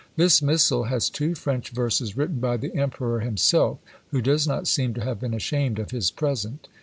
This missal has two French verses written by the Emperor himself, who does not seem to have been ashamed of his present.